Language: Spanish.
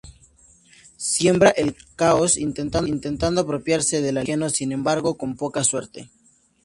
Siembra el caos intentando apropiarse del alimento ajeno, sin embargo, con poca suerte.